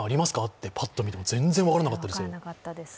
ってぱっと見ても全然分からなかったです。